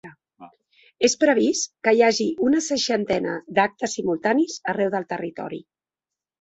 És previst que hi hagi una seixantena d’actes simultanis arreu del territori.